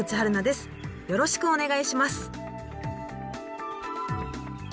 よろしくお願いします。